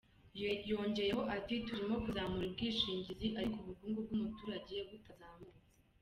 Yongeyeho ati “Turimo kuzamura ubwishingizi ariko ubukungu bw’umuturage butazamutse.